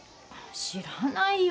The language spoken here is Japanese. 知らないよ。